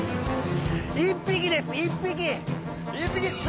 １匹です、１匹です。